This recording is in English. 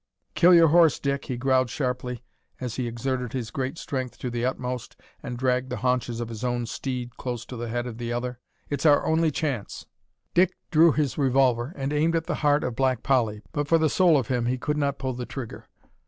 "Kill your horse, Dick," he growled sharply, as he exerted his great strength to the utmost, and dragged the haunches of his own steed close to the head of the other. "It's our only chance." Dick drew his revolver, and aimed at the heart of Black Polly, but for the soul of him he could not pull the trigger.